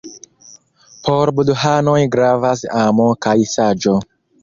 Por budhanoj gravas amo kaj saĝo.